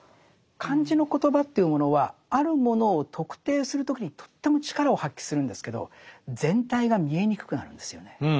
漢字の言葉というものはあるものを特定する時にとっても力を発揮するんですけど全体が見えにくくなるんですよね。